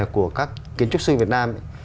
của các kiến trúc sư việt nam